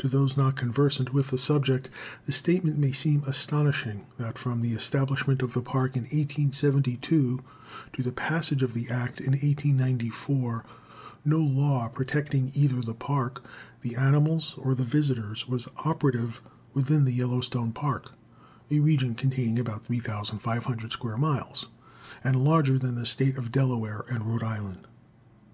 To those not conversant with the subject, the statement may seem astonishing, that from the establishment of the Park in 1872 to the passage of the Act in 1894 no law protecting either the Park, the animals or the visitors was operative within the Yellowstone Park a region containing about 3,500 square miles, and larger than the States of Delaware and Rhode Island.